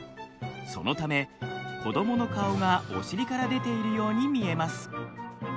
そのため子どもの顔がお尻から出ているように見えます。